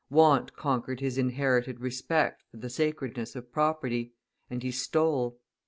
Want conquered his inherited respect for the sacredness of property, and he stole.